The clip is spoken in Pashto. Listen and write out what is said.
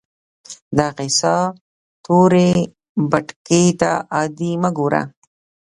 دغې ساده تورې بتکې ته عادي مه ګوره